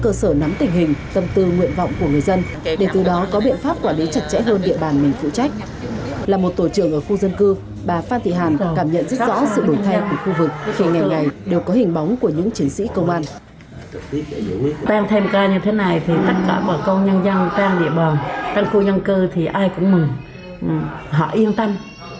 trong tình hình tăng ca như thế này tất cả bà công nhân dân trang địa bàn tân khu nhân cư thì ai cũng mừng họ yên tâm